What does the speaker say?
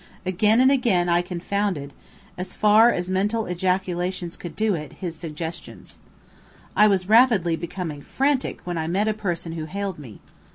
Again and again I confounded as far as mental ejaculations could do it his suggestions. I was rapidly becoming frantic when I met a person who hailed me.